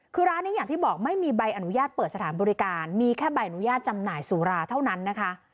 คือร้านนี้อย่างที่บอกไม่มีใบอนุญาตเปิดสถานบริการมีแค่ใบอนุญาตจำหน่ายสุราเท่านั้นนะคะ